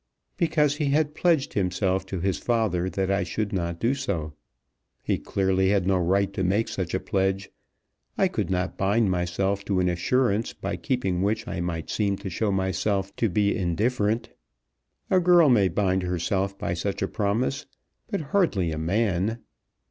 "Because he had pledged himself to his father that I should not do so. He clearly had no right to make such a pledge. I could not bind myself to an assurance by keeping which I might seem to show myself to be indifferent. A girl may bind herself by such a promise, but hardly a man.